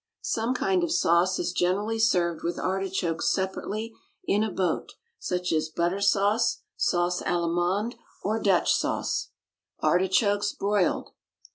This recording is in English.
Some kind of sauce is generally served with artichokes separately in a boat, such as butter sauce, sauce Allemande, or Dutch sauce. ARTICHOKES, BROILED.